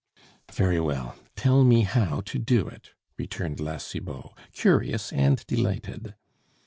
"Very well, tell me how to do it," returned La Cibot, curious and delighted.